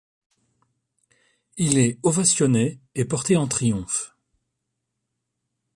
Il est ovationné et porté en triomphe.